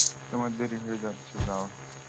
তোমার দেরি হয়ে যাচ্ছে যাও।